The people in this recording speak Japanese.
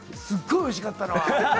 すっごい美味しかった。